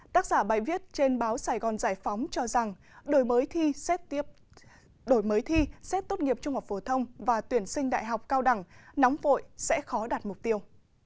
tác giả bài viết trên báo sài gòn giải phóng cho rằng đổi mới thi đổi mới thi xét tốt nghiệp trung học phổ thông và tuyển sinh đại học cao đẳng nóng vội sẽ khó đạt mục tiêu